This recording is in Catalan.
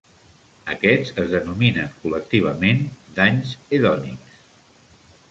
Aquests, es denominen col·lectivament danys hedònics.